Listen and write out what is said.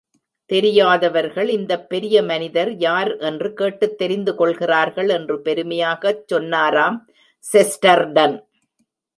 தெரியாதவர்கள் இந்தப் பெரிய மனிதர் யார் என்று கேட்டுத் தெரிந்து கொள்கிறார்கள் என்று பெருமையாகச் சொன்னாராம் செஸ்டர்டன்.